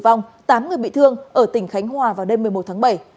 vòng tám người bị thương ở tỉnh khánh hòa vào đêm một mươi một tháng bảy